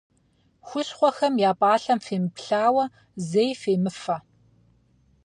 Хущхъуэхэм я пӏалъэм фемыплъауэ, зэи фемыфэ.